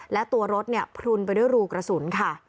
และตัวรถพลุนไปด้วยรูกระสุนค่ะ